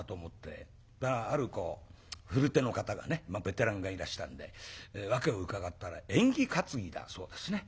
そしたらある古手の方がねベテランがいらしたんで訳を伺ったら縁起担ぎだそうですね。